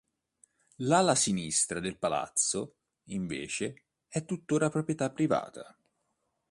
L'ala sinistra del palazzo, invece, è tuttora proprietà privata.